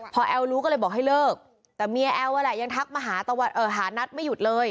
ถึงเนี่ย๔ถึง๖ปี